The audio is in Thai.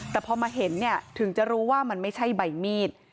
แต่พอมาเห็นเนี่ยถึงจะรู้ว่ามันไม่ใช่ใบมีด